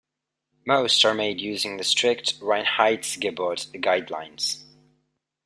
Most are made using the strict Reinheitsgebot guidelines.